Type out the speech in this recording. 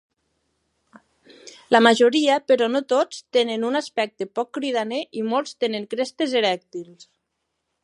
La majoria, però no tots, tenen un aspecte poc cridaner, i molts tenen crestes erèctils.